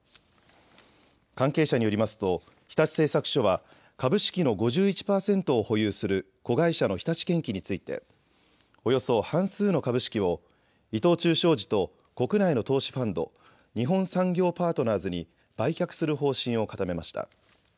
関係者によりますと日立製作所は株式の５１％を保有する子会社の日立建機についておよそ半数の株式を伊藤忠商事と国内の投資ファンド、日本産業パートナーズに売却する方針を固めました。